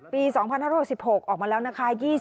ปี๒๕๖๖ออกมาแล้วนะคะ